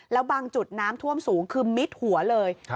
แล้วบางจุดน้ำท่วมสูงคือมิดหัวเลย